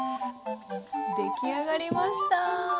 出来上がりました。